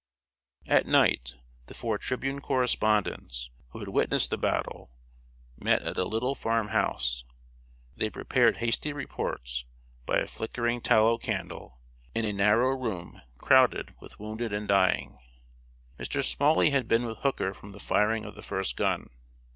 ] At night, the four Tribune correspondents, who had witnessed the battle, met at a little farm house. They prepared hasty reports, by a flickering tallow candle, in a narrow room crowded with wounded and dying. Mr. Smalley had been with Hooker from the firing of the first gun.